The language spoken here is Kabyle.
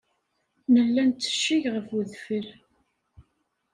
Nella nettecceg ɣef wedfel.